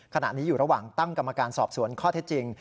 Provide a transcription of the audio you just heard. ขณะนี้อยู่ระหว่างตั้งกรรมการสอบสวนข้อเท็จจริง